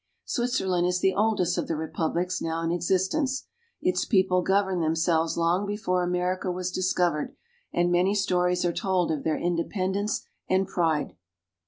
Switzerland is the oldest of the republics, now in exist ence. Its people governed themselves long before America was discovered, and many stories are told of their inde 268 SWITZERLAND, pendence and pride.